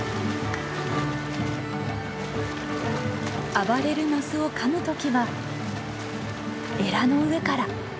暴れるマスをかむ時はエラの上から。